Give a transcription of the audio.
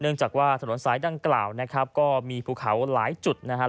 จากว่าถนนซ้ายดังกล่าวนะครับก็มีภูเขาหลายจุดนะครับ